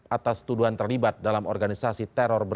atas tuduhan terlibat dalam organisasi teroris